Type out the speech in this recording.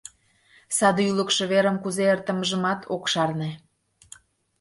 Саде ӱлыкшӧ верым кузе эртымыжымат ок шарне.